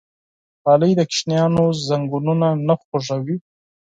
غالۍ د ماشومانو زنګونونه نه خوږوي.